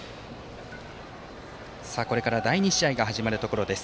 これから第２試合が始まるところです。